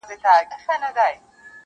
دېو که شیطان یې خو ښکرور یې،